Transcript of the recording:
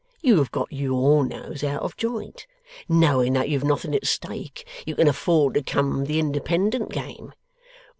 YOU have got YOUR nose out of joint. Knowing that you've nothing at stake, you can afford to come the independent game.